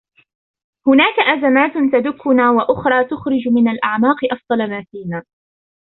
هناك أزمات تدكنا وأخرى تخرج من الأعماق أفضل ما فينا